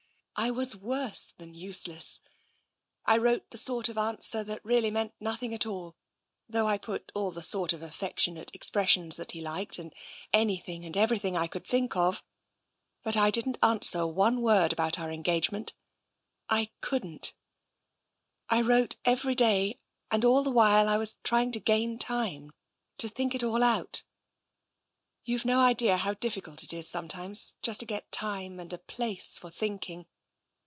I was worse than useless. I wrote the sort of answer that really meant nothing at all — though I put all the sort of affection ate expressions that he liked, and anything and every thing I could think of — but I didn't answer one word about our engagement. I couldn't. I wrote to him TENSION 159 every day, and all the while I was trying to gain time, to think it all out. '* YouVe no idea how difficult it is sometimes just to get time and a place for thinking.